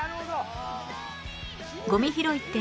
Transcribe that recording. ごみ拾いって